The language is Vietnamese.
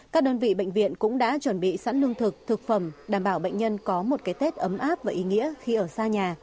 các đơn vị bệnh viện cũng đã chuẩn bị sẵn lương thực thực phẩm đảm bảo bệnh nhân có một cái tết ấm áp và ý nghĩa khi ở xa nhà